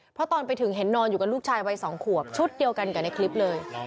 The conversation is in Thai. เพราะตอนไปถึงเห็นนอนอยู่กับลูกชายวัย๒ขวบชุดเดียวกันกับในคลิปเลย